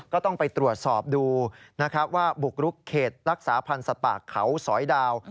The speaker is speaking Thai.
ก็ต้องไปตรวจสอบดูนะครับว่าบุกรุกเขตรักษาพันธ์สัตว์ป่าเขาสอยดาว